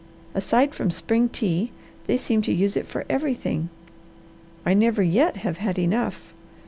Aside from spring tea, they seem to use it for everything. I never yet have had enough.